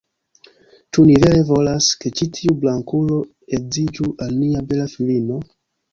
Ĉu ni vere volas, ke ĉi tiu blankulo edziĝu al nia bela filino?